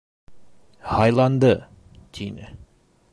Һайланды! — тине.